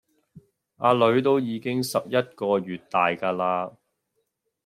呀囡都已經十一個月大架啦